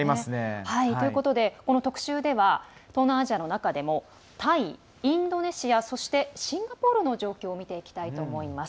ということで、特集では東南アジアの中でもタイ、インドネシアそして、シンガポールの状況を見ていきたいと思います。